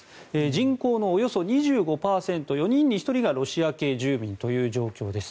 人口のおよそ２５％４人に１人がロシア系住民という状況です。